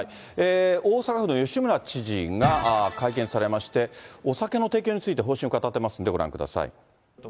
大阪府の吉村知事が会見されまして、お酒の提供について、方針を語ってますんで、ご覧ください。